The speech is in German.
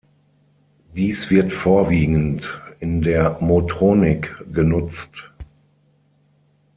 Dies wird vorwiegend in der Motronic genutzt.